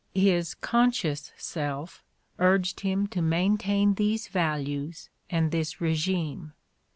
His conscious self urged him to maintain these values and this regime.